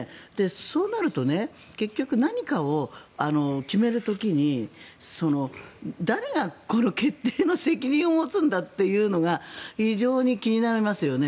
そうなると結局何かを決める時に誰がこの決定の責任を持つんだというのが非常に気になりますよね。